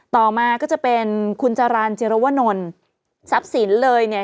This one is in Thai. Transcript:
ต่อมาก็จะเป็นคุณจรรย์เจรวนลทรัพย์สินเลยเนี่ย